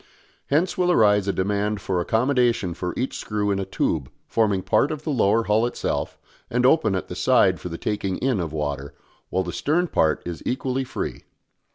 Hence will arise a demand for accommodation for each screw in a tube forming part of the lower hull itself and open at the side for the taking in of water, while the stern part is equally free.